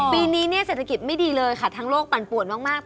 ปีนี้เนี่ยเศรษฐกิจไม่ดีเลยค่ะทั้งโลกปั่นป่วนมาก